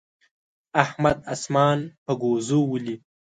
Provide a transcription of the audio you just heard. احمد اسمان په ګوزو ولي.